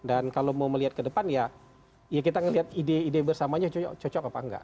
dan kalau mau melihat ke depan ya ya kita ngelihat ide ide bersamanya cocok apa nggak